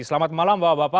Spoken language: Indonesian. selamat malam bapak bapak